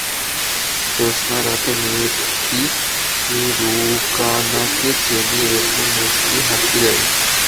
জ্যোৎস্না রাতে মেয়েটি রুকানাকে চেনে এবং মুচকি হাসি দেয়।